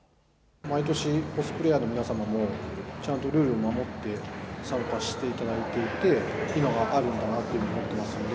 毎年コスプレイヤーの皆様も、ちゃんとルールを守って、参加していただいていて、今があるんだなと思ってますんで。